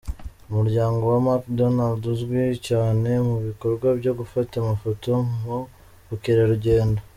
Umuryango wa McDonald uzwi cyane mu bikorwa byo gufata amafoto mu Bukerarugendo.